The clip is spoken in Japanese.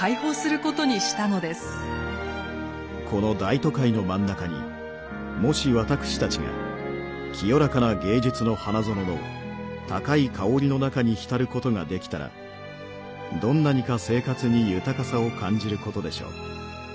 この大都会の真ん中にもし私たちが清らかな芸術の花園の高い香りの中に浸ることができたらどんなにか生活に豊かさを感じることでしょう。